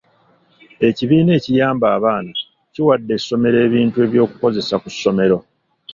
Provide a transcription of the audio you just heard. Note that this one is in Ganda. Ekibiina ekiyamba abaana kiwadde essomero ebintu eby'okukozesa ku ssomero.